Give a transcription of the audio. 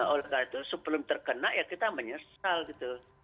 oleh karena itu sebelum terkena ya kita menyesal gitu